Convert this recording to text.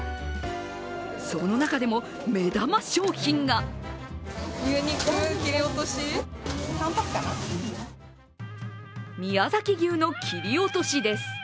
その中でも目玉商品が宮崎牛の切り落としです。